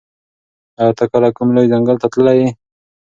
ایا ته کله کوم لوی ځنګل ته تللی یې؟